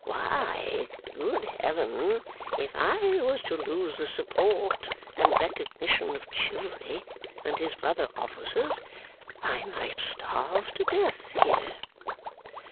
Why, good Heaven! if I was to lose the support and recognition of Chivery and his brother officers, I might starve to death here.